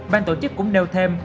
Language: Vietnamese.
bang tổ chức cũng nêu thêm